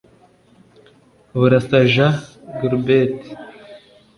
Burasa Jean Gaulbet